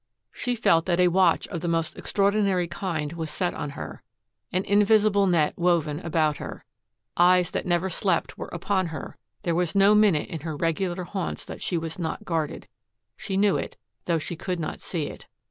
She felt that a watch of the most extraordinary kind was set on her, an invisible net woven about her. Eyes that never slept were upon her; there was no minute in her regular haunts that she was not guarded. She knew it, though she could not see it.